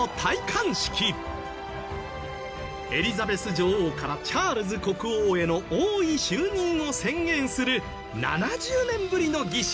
エリザベス女王からチャールズ国王への王位就任を宣言する７０年ぶりの儀式。